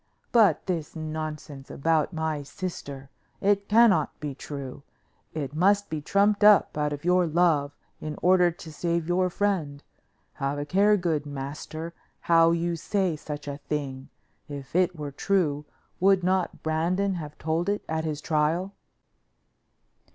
But this nonsense about my sister! It cannot be true. It must be trumped up out of your love in order to save your friend. Have a care, good master, how you say such a thing. If it were true, would not Brandon have told it at his trial?"